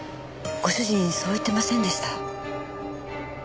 ご主人そう言ってませんでした？